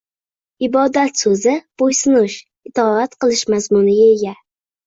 “Ibodat” so‘zi “bo‘ysunish”, “itoat etish” mazmuniga ega.